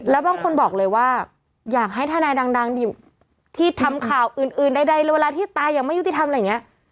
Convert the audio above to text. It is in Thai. แล้วบางคนบอกเลยว่าอยากให้ทนายดังอยู่ที่ทำข่าวอื่นใดเลยเวลาที่ตายอย่างไม่ยุติธรรมอะไรอย่างนี้